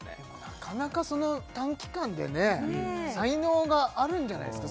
なかなかその短期間でね才能があるんじゃないですか？